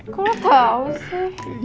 kok lo tau sih